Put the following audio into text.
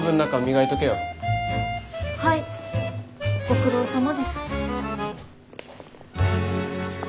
はいご苦労さまです。